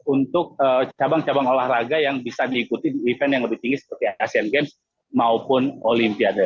untuk cabang cabang olahraga yang bisa diikuti di event yang lebih tinggi seperti asian games maupun olimpiade